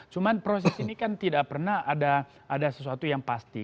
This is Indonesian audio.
cuma proses ini kan tidak pernah ada sesuatu yang pasti